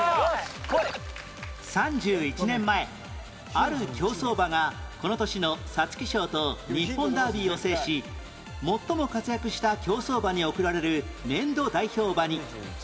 ３１年前ある競走馬がこの年の皐月賞と日本ダービーを制し最も活躍した競走馬に贈られる年度代表馬に